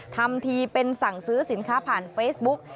ทำทีเป็นสั่งซื้อสินค้าผ่านเฟซบุ๊ก